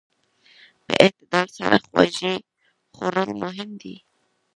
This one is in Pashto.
په اعتدال سره خوږې خوړل مهم دي.